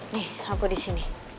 nih aku di sini